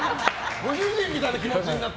ご主人みたいな気持ちになって。